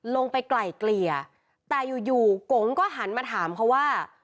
ลงไปไก่เกลียแต่อยู่กลงก็หันมาถามเค้าว่า